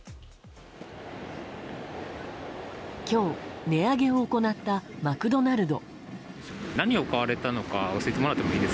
今日、値上げを行ったマクドナルド。